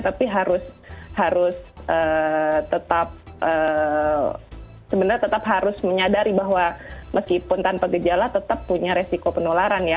tapi harus tetap sebenarnya tetap harus menyadari bahwa meskipun tanpa gejala tetap punya resiko penularan ya